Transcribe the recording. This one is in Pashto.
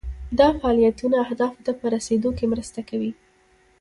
دا فعالیتونه اهدافو ته په رسیدو کې مرسته کوي.